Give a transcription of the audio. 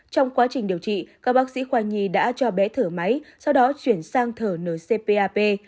trong quá trình điều trị các bác sĩ khoa nhi đã cho bé thở máy sau đó chuyển sang thở nơi cpap